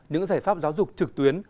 những giải pháp giáo dục trực tuyến